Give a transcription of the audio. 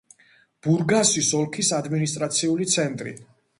ბურგასის ოლქის ადმინისტრაციული ცენტრი.